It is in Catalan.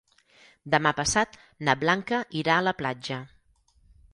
Demà passat na Blanca irà a la platja.